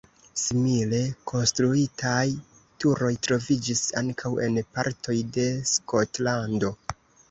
Simile konstruitaj turoj troviĝis ankaŭ en partoj de Skotlando.